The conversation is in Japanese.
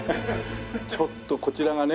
ちょっとこちらがね